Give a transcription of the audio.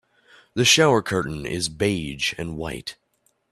The shower curtain is beige and white.